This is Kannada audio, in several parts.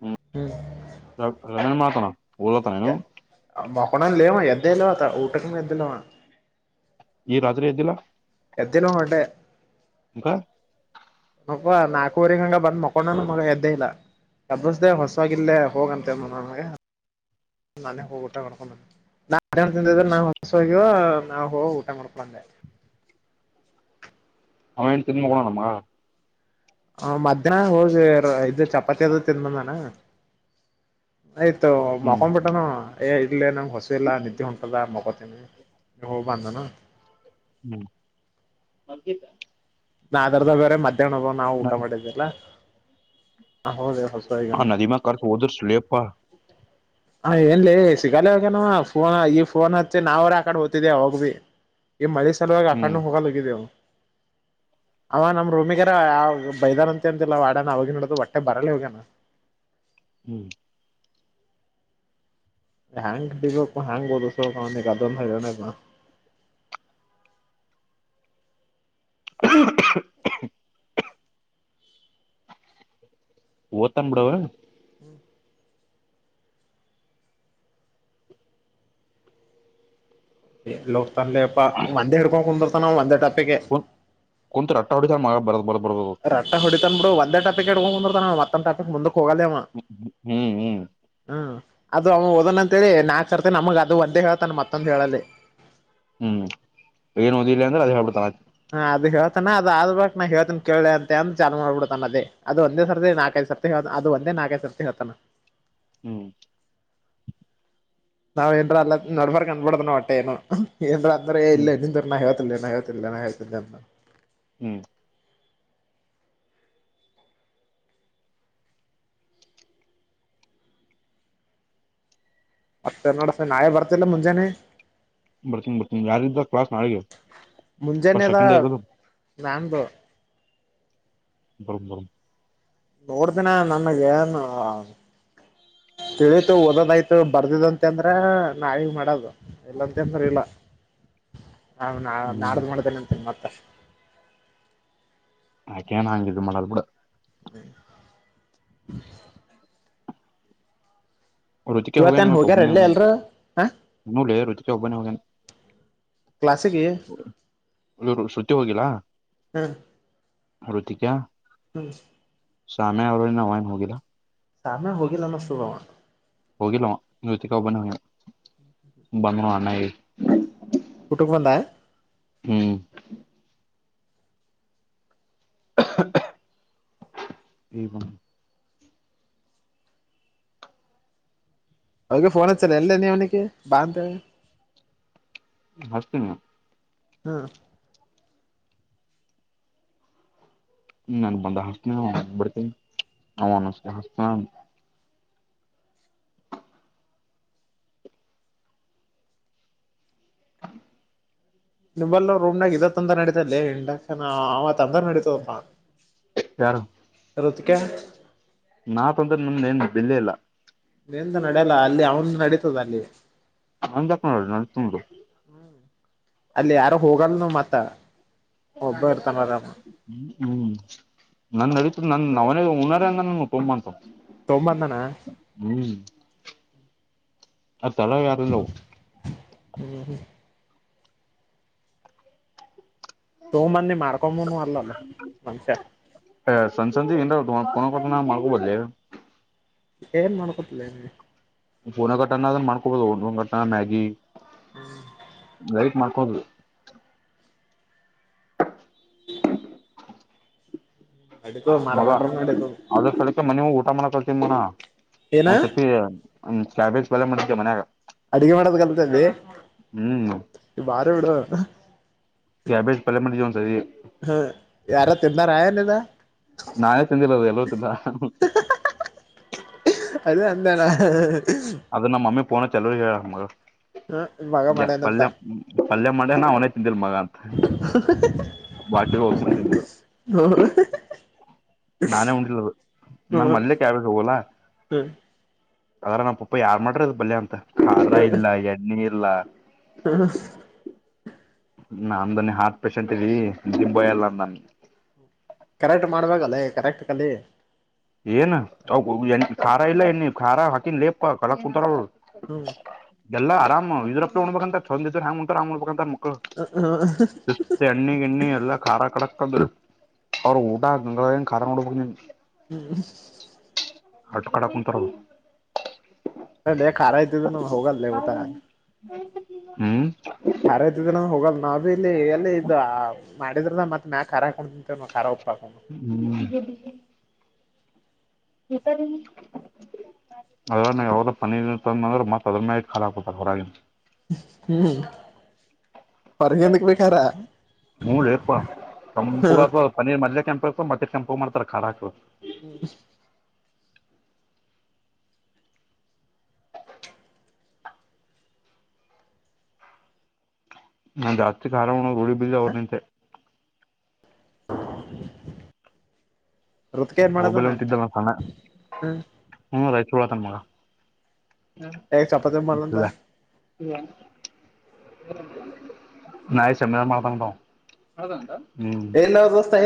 ಹ್ಮ ಹ್ಮ್ ರ ನೇನು ಮಾಡತಾನ ಬದಲತ ನೇನು ಮಕಣನ ಲವ ಎದ್ದೇಲವತ ಊಟಕಮ ಎದ್ದಲವ ಈ ರಾತ್ರಿ ಇದದ್ದಿಲ್ಲಾ ಎತ್ತನ ಹೋಗಟ್ಟೆ ಹ ನಾಲ್ಕೂವರೆಗ ಹಂಗ ಬಂದ್ ಮಕೊಂಡನ ಮಗ ಎದ್ದೆ ಇಲ್ಲ ಯಬ್ಬಿಸ್ದೆ ಹೊಸಾಗಿಲ್ಲೇ ಹೋಗಂತೆ ಮ ನಾನೇ ಹೋಗ ಊಟ ಮಾಡ್ಕೊಂಡನೆ ನಾ ಅ ತಿಂದಿದ್ರೆ ನಾ್ ಹೊಸೋಗವ ನಾವ್ ಹ ಊಟ ಮಾಡ್ಕೊಂದೆ ಅವನು ತುಮ ಕೊಣಣಮ್ಮ ಹ ಮಧ್ಯಾಹನ ಹೋಗ್ ಇದ ಚಪಾತಿ ಅದ ತಿನ್ಬಂದಾನ ಆಯ್ತು ಹ್ಮ್ ಮಕೊಂಬಟ್ಟನು ಅಯ್ಯ ಇಲ್ಲೇ ನಂಗೆ ಹಸಿ ಇಿಲ್ಲ ನಿದ್ದೆ ಹೊಂಟದ ಮಗೋತೀನಿ ಹೋಗ ಬಂದಾನ [unintelligible] ನಾ ಅದ್ರದ್ದ ಬೇರೆ ಮಧ್ಯಾಹ್ನದ ನಾವು ಊಟ ಮಾಡಿದೀಲ್ಲ ಹಾ ನದ ಮಾಡ ಕರ್ತು ುದು ಸ್ಲೇಬ ಪ ಹ ಎನ್ಲ್ಲಿ ಸಿಗಲ್ಲವಾಗನವ ಫೋನ್ ಈ ಫೋನ್ ಹತ್ತಿ ನಾವ್ರ ಆಕಡೆ ಓ್ತಿದ ಹೋಗ್ ಭಿ ಈ ಮಾರಿಿಸ ಹ್ಮ್ ಸಾಲಾಗಕಾು ಹೋಗಾಗ ಲಗಿದಿದೆವು ಅವ ನಮ್ ರೂಮಿಗಾರ ಆ ಬೈದಾನ ಅಂತ ಅಂತಿಲ್ಲ ವಾಡಾನ ಅವವಾಗಿ ನೋಡದು ಹೊಟ್ಟೆ ಬರಲ್ಲ ಹೋಗಣ [inaudible] ಹ್ಮ್ ಹೆ್ಯಾಂಗ ಹೆ್ಯಾಂಗ್ ಹೋದು ಸ ಅದ [inaudible] [unintelligible] ಓತನ್ ಬಿಡ ಅವ ಹ್ಮ ಲೋಕ್ ತ ಅಲ್ಲೆ ವಂದೆ ಹಡ್ಕೊಂಡ ಕುಂದಿರ್ತಾನ ಒಂದೇ ಟಾಪಿಗೆ [unintelligible] ರಟ್ಟ ಹ ಹೊಡಿತನ್ ಬಿಡು ಒಂದೇ ಟಪಿಕ್ ಹ್ ಬಂದ ಮತ್ತೊ ಟಪಿಕ್ ಮುಂದ ಹ್ಮ್ ಹ್ಮ್ [unintelligible] ಅದು ಅವ ಓದನ್ ಅಂತೇಳಿ ನಾಕ್ ಕರ್ತನೆ ನಮಗ್ ಅದು ಒಂದ್ದೇ ಹೇಳತಾನ ಮತ್ತೊಂದು ಹೇಳಲ್ಲಿ ಹ್ಮ್ ಏನು ಓದಿಲ್ಲ ಅಂದ್ರೆ ಅದು ಹೇಳ್ಬಿತಾನ ಹಾ ಅದು ಹೇಳ್ತಾನ ಅದ ಆದ್ ಬಳಕ್ ನಾನ್ ಹೇಳ್ತೇ ಕೇಳಾ ಅಂತ ಅಂತ ಚಾಲೋ ಮಾಡ್ಬಿಡ್ತಾನ ಅಲ್ಲೇ ಅದು ಒಂದೇ ಸರ್ದ ನಾಕೈತಿ. ಸರ್ ಹ ಅದ ಒಂದೇ ನಾಕ್ ಸರ್ ತೀ ಹೇಳತಾನ ಹ್ಮ್ ನಾವ್ ಏನ್ ಅಲ್ಲಾ ನಡಬರಕ್ ಹೇಳ್ತಾನೆ ನಾ ಒಟ್ಟೇ ಏನು ಏನ್ರ ಅಂದ್ರೆ ಹ್ಮ್ ಇಲ್ಲ ನಿಂದರಲ್ಲೇ ನಾ ಹೇಳ್ತಿನಿ ನಾ ಹೇಳತಲ್ಲನ ನಾ ಹೇಳತನ್ ಹ್ಮ್ ಮತ್ತ ಏನ ನಡಸ್ ನಾಳಿಯೇ ಬರ್ತಿಲ್ಲ ಮುಂಜಾನೆ ಬರ್ತನಿ ಬರ್ತನಿ ಯಾರ ಕ್ಲಾಸ್ ನಾಳೆಗೆ ಫಸ್ಟ್ ಮುಂಜಾನೆದ ಸೆಕೆಂಡ್ ಇಯರ್ [unintelligible] [unintelligible] ನೋಡ್ತಿನ ನನಗ ಏನ್ ತಿಳೀತು ಓದನ್ ಆಯ್ತು ಬರ್ದಿದಂತೆ ಅಂದ್ರ ನಾಳಿಗ್ ಮಾಡೋದು ಇಲ್ಲಂತಂದ್ರ ಇಲ್ಲ ನಾ ನಾ ಹ್ಮ್ ನಾಡ್ದ ಮಾಡ್ದೇನೆ ಅಂತನೆ ಮತ್ತ ಆಕೆನ್ ಹಂಗ ಇದ್ ಮಾಡಲ್ ಬಿಡ [unintelligible] ರುಚಕ್ಯಾ ಹೋಗಾನೆ ಇವತ್ತೇನ್ ಹೋಗ್ಯಾರ ಒಬ್ಬನೆ ಇಲ್ಲೇ ಹೋಗಾನ್ ಎಲ್ರು ಹ ರುಚಕ ಒಬ್ಬನೆ ಹೋಗ್ಯಾನ ಕ್ಲಾಸಿಗೆ ಸೂಟಿ ಹೋಗಿಲ್ಲಾ ಹ ರುತಿಕಾ [unintelligible] ಶಾಮೆ ಅವರು ನ ಇನ್ ಹೋಗಿಲ್ಲಾ ಸಾಮೇ ಹೋಗಿಲ್ಲನ್ನಷ್ಟು ಹೋಗಿಲ್ಲವಾ ಯೂತ್ತಿಕ ಒಬ್ಬನ ಹೋಗ್ಯಾನ ಬಂದನ ಅಣನ್ನ ಊಟಾ ಬಂದಾ ಹ್ಮ್ [inaudible] ಅವೆ ಫೋನ್ ಹಚ್ಚಲ್ಲ ಎಲ್ಲೇ ಆವನಿಗೆ ಬಾ ಅಂತ ಹಸ್ತನ್ ಹ್ಮ ನನ್ ಬಂದ ಹಸ್ನ ಬಿಡ್ತೇನಿ ಅವ ಹಸ್ತ ನ [unintelligible] ರೂಮ್ನಾಗ ಇದ ತ್ತಂದ್ರ ನಡಿತಲ್ಲಿ ಇಂಜಕ್ಷನ್ ತಂದರೆ ನಡೀತಪ್ಪಾ ಯಾರು ಇತ್ತಿಕೇ ನಾ ತಂದ್ರ ನಮ್ದ ಏನು ಬೆಲ್ಲಿ ಇಲ್ಲಾ ನೀಂತ ನಡೆಯಲ್ಲ ಅಲ್ಲಿ ಅವನ್ ನಡೀತದ ಅಲ್ಲಿ [unintelligible] ಅಲ್ಲಿ ಯಾರು ಹೋಗಲ್ಲ ನ ಮತ್ತ ಒಬ್ಬ ಇರ್ತಾನ ಆರಾಮ ಹ್ಮ ಹ್ಮ್ ನನ್ ನಡೀತು ನನ್ ನ ಅವನ ಉನರಂಗ ನ ತುಂಬಂಟು ತೊಂಬಂದಾನ ಅ ತಲ ಯಾರಲ್ಲ ಹ್ಮ್ ಹ್ಮ್ ತೊಂಬಂದಿ ಮಾಡ್ಕೊಂಬನು ಅಲ್ಲಲ್ಲ ಮನುಷ್ಯ [unintelligible] ನ ಮಾಡ್ಕೊಬದಲ ಏನ್ ಮಾಡ್ಕೊತಿಲ್ಲ ನಿಮಗೆ ಪನಗಟ್ಟಣ ಅದ ಮಾಡ್ಕೊಡ್ಬೋದು ಟ್ಟ ಮ್ಯಾಗಿ ಮಾಡ ಹೌದು [inaudible] ನಡೀತದ ಮಗ ಮಾಡ್ಕೊಂಡ್ರ ನಡೀತದ ಅದ ಸ್ಥಳಕ್ಕೆ ಮನೆವು ಊಟ ಮಾಡಕೊ ತಿನ ಏನ ಒಂದ್ಸತಿ ಕ್ಯಾಬೇಜ್ ಪಲೆ ಮಾಡಿದ ಮನ್ಯಾಗ ಅಡಗೆ ಮಾಡೋದ ಕಲ್ತಲ್ಲಿ ಹ್ಮ್ ಬಾರಿ ಬಿಡು ಕ್ಯಾಬೇಜ್ ಪಲ್ಯ ಮಾಡಿದಿವ ಒಂದ ಸಾರಿ ಎನ್ನ ರಾಯಲ್ಲದ ನಾವೆ ತಂದಿಲ್ಲ ಅದು ಎಲ್ಲತ್ತಿಲ್ಲ ಅದು ಅಂತಾನ ಅದು ನಮ್ಮಿ ಫೋನ್ ಚೆಲೋರು ಹೇಳ ಮಗಳು ಹ ಮಗ ಯ ಮಾಡ್ಯನಂತ ಪಲ್ಯ ಪಲ್ಯ ಮಾಡನ ಅವನೇ ತಿಂದಿಲ್ ಮಗ ಅಂತ ಬಾಕ ಹೋಗ ಹ ಹ ನಾನೇ ಉಂಟಿಲ್ಲ ನಾನ್ು ಮಲ್ಲೆ ಕ್ಯಾಬ ಹೋಗಲ ಅದ್ರ ನಮ್ಮ ಪುಪ್ಪ ಯಾರ್ ಮಾಡ್ರಿ ಅ ಬಲ್ಯ ಅಂತ ಖಾರ ಇಲ್ಲ ಎಣ್ಣೆ ಇಲ್ಲ ಹ ನನ್ನಿ ಹಾರ್ಟ್ ಪೇಶಂಟ್ ಇದೀ ದಿಬಯಲ್ಲ ಅಂದನ್ನ ಕರೆಕ್ಟ್ ಮಾಡ್ಬಲ್ಲೇ ಕರೆಕ್ಟ್ ಕಲಿ ಏನು ಖಾರ ಇಲ್ಲ ಎ ಖಾರ ಹಾಕಿನ್ ಲೇಪ ಕಲ ಕುಂಾರ ಹ್ಮ್ ಎಲ್ಲ ಆರಾಮ್ ಇದರಪ್ಪ ಉ್ಬೇಕಂತ ಚಂದ್ರು ಹೆಂಗ ಉಂಟಾರ ಆಮ್ ಉಡ್ಬೇಕಂತ ಸಿಸ್ತಾ ಎಣ್ಣಿ ಗಿಣ್ಣಿ ಎಲ್ಲಾ ಖಾರ ಕಡಕ್ ಅವರ ಊಟಾ ನಿಂಗ ಕಖರಡ ಹ್ಮ್ ಆಟ ಕಡ ಕುಂತಾರದು ಅ ಖಾರ ಇದ್ದಿದ್ರ ಹೋಗಲ್ಲೇ ಊಟ ಹ್ಮ್ ಖಾರ ಇದ್ದಿದ್ರ ನ ಹೋಗಲ್ ನಾವ ಬಿ ಇಲ್ಲಿ ಎಲ್ಲಿ ಇದದು ಮಾಡಿದ್ರದ ಮತ್ ಮ್ಯಾ ರಾಕೊಂಡ ಖಾರ ಉಪ್ಪ ಹ್ಮ್ ಈತರಿ ಅದ ಯಾವ್ದ ಪನೀರ್ ತಂದ ಅಂದ್ರೆ ಮತ್ತತ್ ಅದ್ಮಐತ್ ಖಾರ ಹಾಕ ಕೊಡ್ತಾರೆ ಹೊರಗ ಹ್ಮ್ ಹೊರಗಂದಕ್ ಬೇಕಾರ ಹು ಲೇ ಪಾ ತಂಪು ಪನ್ನೀರ್ ಮ ಕೆಂಪ ಮತ್ತೆ ಕೆಂಪ ಮಾಡತಾರೆ ಖಾರ ಹ್ಮ್ ನಾ ಜಾಸ್ತಿ ಖಾರ ಉನೋದು ಬಿಜಾಬಿದ್ದೆ ಅವ್ರ ನಿಂತೆ [inaudible] ಏನ್ ಹೋಬಳಿ ಮಾಡದಾನ ಅಂತಿದ್ರ ಸಣ್ಣ ಹ್ಮ್ ಹೂ ರಾಯಚೂರು ಇದರ ಮಗ [inaudible] ಹೇಗ್ ಚಪಾತಿ ಮಾಡಲಂತ ನಾಳೆ ಸೆಮಿನಾರ ಮಾಡತನ ಅತ್ತ ಆವಾ ಎಲ್ಲ ದೋಸ್ತ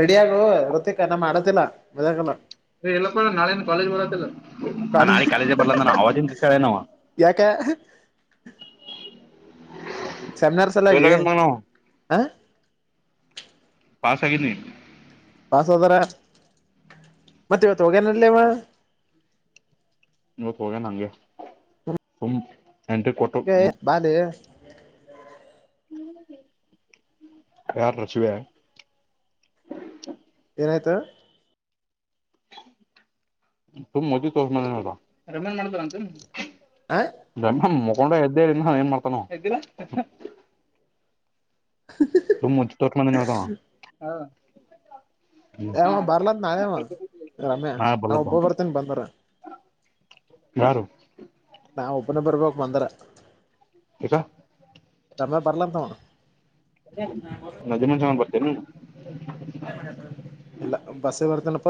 ರೆಡಿಯಗು ರೊತ್ತಿಕ ನಮ್ಮ ಮಾಡದಿಲ್ಲ ಮಲ್ಲ ಎಲ್ಲಾೂ ನಾಳೆ ಕಾಲೇಜ್ ಬರದಲ್ಲ ಕಾಲ ನಾಳೆ ಕಾಲೇಜ ಬರ್ಲ ನ ಅವಾಜನ್ನಾವ ಯಾಕೆ ಫೇಲ್ ಸನ್ನೆರ್ಸಲಾಗೆ ಆಗ್ಯಾನ್ ಮಗನವ ಹಾ ಪಾಸ ಆಗ ನೀ ಪಾಸ ಆದರ ಮತ್ತೆ ಇವತ್ತು ಹೋಗ್ಯಾನಗೇನಲ್ಲವ ಇವತ್ ಹೋಗೆ ನಂಗೆ ಸು ಬಾಲೇ ಯಾರು ರಚಿವ ಏನಾಯ್ತ ತ ಮದ ತ [inaudible] ನ ಆ [inaudible] ಹಗೊಂಡ ಎದ್ದೆ ಏನ್ ಮಾಡ್ತಾನೋದ್ದ ಸು ತೊಟಂದತ [inaudible] ಅವ ಬರ್ಲಂತ ನಾಳೆವ ರಮ್ಯಾ ನಾ ಬಲ ಒಬ್ಬ ಬಂತ ಬರ್ತೇನಿ ಬಂದರ ಯಾರು ನಾ ಒಬ್ಬನ ಬರ್ಬಕ್ ಬಂದರ ಯಾಕ ಆವಾ ತರ್ಲಾ ಅಂತ ಆವಾ ನದಮಸ ಬರ್ತೀರ ಇಲ್ಲ ಬಸ್ಸ ಬರ್ತನಿ ಅಪ್ಪ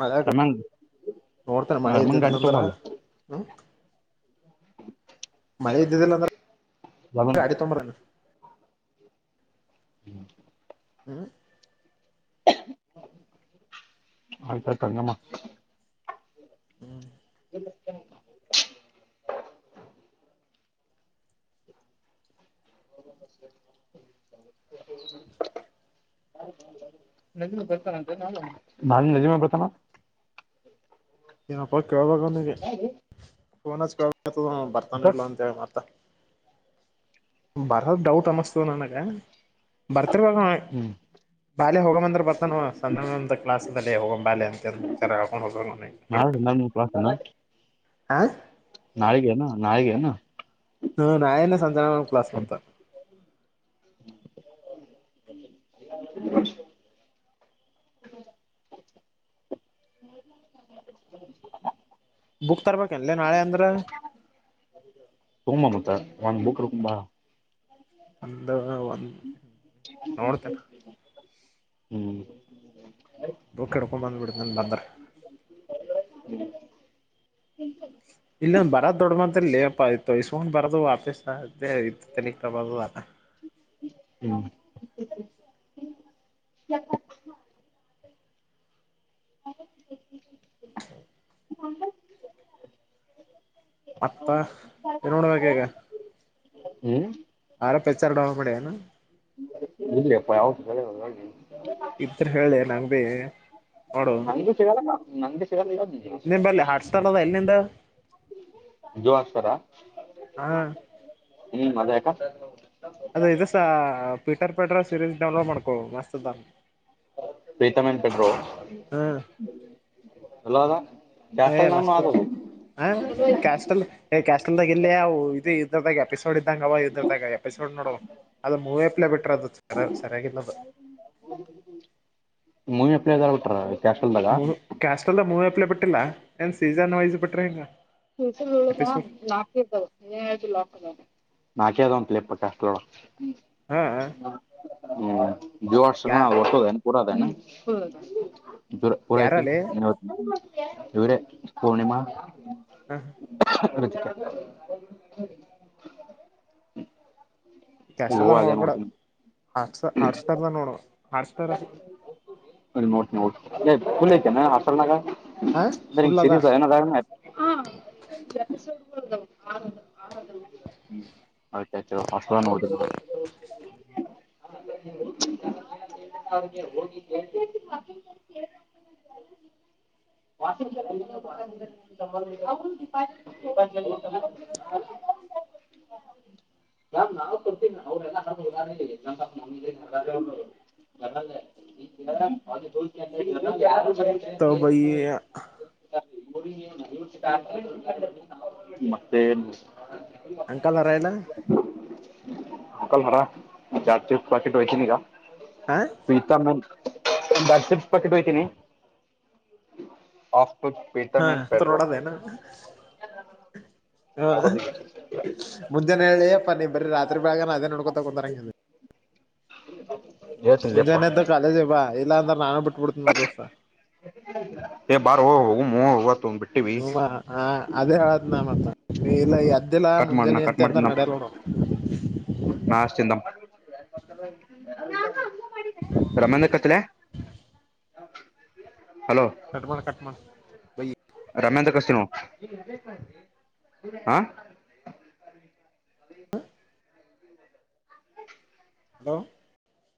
ಮಳೆ ರಮ್ಯಾನ್ ನೋಡ್ತೇನೆ ಮಳೆ ರಮ್ಯಾನ್ ಇದ್ದಿದ್ದ ಗಾಡಿ ನಂತ್ರ ತಗೊಂಬಲ್ಲ ಹ್ಮ- ಮಳೆ ಇದ್ದಿದ್ದಿಲ್ಲ ಲಗೂನ ಅಂದ್ರೆ ಅಡಿ ತೊಂಬ್ರಲ್ಲ ಹ್ಮ್ [inaudible] ಹ್ಮ [inaudible] ಆಯ್ತ ಆತಂಗಮ್ಮ [inaudible] ಹ್ಮ್ [inaudible] [inaudible] [inaudible] ತ ನ ನಜ ಬತಾನ [inaudible] ಕೇಳಬಾಗನಿಗೆ ಫೋನ ಕೇಳತದ ಬರ್ತಾನೆ ಇಲ್ಲ ಅಂತ ಹೇಳ ಮತ ಬರದು ಡೌಟ್ ಅಮಸ್ತವ ನನಗೆ ಬರ್ತಿರ್ವಾಗ ಹ್ಮ್ ಬಾಯ ಹೋಗ ಅಂದ್ರ ಬರ್ತಾನ ಸಂದ ಕ್ಲಸ್ದಲ್ಲಿಲ್ಲಿ ಹೋಗ್ ಬಾಲ್ ಅಂತಕೊಂಡ್ ಹೋಗ ನಾಳೆ ಪ್ರಾಸ ಹಾ ನಾಳಿಗೆ ನಾಳಿಗೆ ಹಾ -ನಾಯನ ಸಂಜಣ ಕ್ಲಸ್- ನ್ತಾ [inaudible] [inaudible] ಬುಕ್ ತರ್ಬೇಕಲ್ಲ ನಾಳೆ ಅಂದ್ರೆ ಒಂದು ಬುಕ್ ರಕಂಬಾ ಒಂದು ಒಂದು ನೋಡ್ತೆನೆ ಹ್ಮ್ ಬುಕ್ ಎಡ್ಕೊಂಬಂದು ಬಿಡ ಬಂದ್ರ ಹ -ಹ ಇಲ್ಲೊಂದ ಬರೋ ದೊಡ್ಡ ಮಂತ ಲೇಪ್ಪ ಆಯ್ತು ಇಸ್ಕೊಂಡ್ ಬರೋದು ವಾಪೀಸ ಅ ಇ ತಳ ಕ್ರಮತ್ರದ [unintelligible] ಹ್ಮ್ [inaudible] ಹ ಅತ್ತ -ಏ -ನೋಡ್ಬೇಕ ಈಗ. ಹ್ಮ್ ಆರ ಪ್ರಚಾರಡ ಮಾಡೆನು. ಇಲ್ಲಪ್ಪ ಯ ಇದ್ರ ಹೇಳಿ ನಂಗ್ ಭೀ ಮಾನ- ತ -ಸಿಗಲ್ಲ ನ ನಿಂಬಲ್ಲಿ ಹಾಟ್ಸ್ತಳದ ಎಲ್ಲಿಂದ. ಜೋಸ್ತರ ಹಾ ಹ್ಮ್- ಮಜಾಯ ಅದ ಇದುಸ ಪಟ್ವಿಟರ್ ಪೆಟ್ರ ಸೀರೀಸ್ ಡೌನ್ಲೋಡ್ ಮಾಡ್ಕೋ ಮಸ್ತ್ ಅದ. ಪ್ರೀತಮನ್ ಪಟೋ ಹ್ಮ್ ಎಲ್ಲದಾ. ಮಸ್ತ- ಹ -ಕಸ್ಟಲ್. ಕ್ಯಾಸ್ಟೀಲ್ದಾಗ ಇಲ್ಲಿಯವು ಇದದು ಇದ್ರದಾಗ ಎಪಿಸೋಡ್ ಇದ್ದಂಗ ಅವ ಇದ್ರದಾಗ ಎಪಿಸೋಡ್ ನೋಡ. ಅದು ಮೂವೇಪ್ ಮಿಟರ್ ಅದು ಚರ ಚರಗಿದೆ ಮೂವವಿಪ್ಲೆರಾವ ಟರಾವವೆ ಮೂವ್ ಕ್ಯಾಸ್ಟಲ್ಲ ಮೂವ್ ಅಪ್ಲೈ ಬಿಟ್ಟಿಲ್ಲ ಏನ್ ಸೀಸನ್ ವೈಸ್ ಬಿಟ್ರೆ ಹಿಂಗ ಹಸ ಉಳದ ಎಪಿಸೋಡ್ ಲಾಕ್ ಇದಾವ ಏನ್ ಹೇಳ ಲಾಕಕ್ ಅದ ನಕೇದ ಒಂತ ಇಪ್ಪ ಕಸ್ಡ ಹಾ ಜವರ್ಸನ ಯಾ ಹೊರ್ತೋದ ಪೂರದನ ಜರ ಪೂರೈತಿೀ ಯಾರಲ್ಲಿ ಇವರ ಪೂರ್ಣಿಮ ಹಾ ಹ ಹ ಕ್ಯಾಸ್ಟಲ್ದಾಗ ಅದೇ ನೋಡ್ಬೇಡ ನೋಟ ಹಾಟ್ ಸ ಹಾಟ್ ಸ್ಟಾರ್ದ ನೋಡುವ ಹಾಟ್ ಸ್ಟಾರ ಅರಿ ನೋ ನೋ ಫುಲ್ ಐತನೆ ಅಸಲ್ನಾಗ ಹ ಅಂದ್ರೆ ಫುಲ್ ಅದ ಸರಿಸ್ ಏನ ಎಪಿಸೋಡ್ಗಳುದ ಆ್ ಆ್ ಹ್ಮ ಅಯತೆ ಅ ಹೊಸಧಾನ ಹ ವಿ ಹ ಮ್ಯಾಮ್ ನಾವವು ಕೊಡ್ತೀನಿ ಅವ್ರಲ್ಲ ಹ ಉದಾರಣೆ ಈ ಉಂ [inaudible] ಮತ್ತೆಏನ್ ಅಂಕಲರಾಯಲ್ಲ ಅಂಕಲ್ ಹರ ಚಾರ್ ಚಿಸ್ ಪಾಕೆಟ್ ವಯತನಗಾ ಹ ಪ ಇತ ಮ ಬ ಚಿಪ್ಸ್ ಪಟ್ಟಿಟ್ಟ ಹಯ್ತೀನಿ ಹಾಂತ ನೋಡದನ ಹ ನೋಡೋದು ಈಗ ಮುಂಜೆಾನ ಹೇಳಿ ಅಪ್ಪ ನೀ ಬರೀ ರಾತ್ರಿ ಬೇಗನ ಅದೇ ನೋಡ್ಕೊತ ಕುಂತರಂಗ ಹ ಮುಂಜಾನೆ ಇದದ ಕಾಲೇಜ ಇಬಾ ಇಲ್ಲಾ ಅಂದ್ರ ನಾನು ಬಿಟ್ಬಿಡ್ತನಿ ನೋಡ ದೋಸ್ತ ಎ ಬಾರ ಹ ಮೂ ಹೂವಾ ಹ ಅದೇ ಹೇಳದ್ ನ ಮತ್ತ ನೀ ಇಲ್ಲ ಈ ಅದ್ದೆಿಲ್ಲಾ ಕಟ್ ಮುಂಜಾನೆ ಅಂತ ಅಂದ್ರ ನಡ್ಯಲ್ಲ [inaudible] ನಾಷ್ಟ ರಮನ್ಕ್ಕಚ್ ಕಟ್ಮಣ ಕಟ್ಮಣ ಬ ರಮೇಂದ್ರ ಕಸಿನ ಹಾ ಹ ಹಲೋ